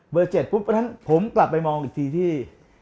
๗ปุ๊บเพราะฉะนั้นผมกลับไปมองอีกทีที่